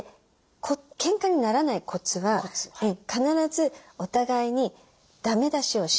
けんかにならないコツは必ずお互いにだめ出しをしない。